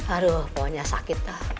aduh pokoknya sakit dah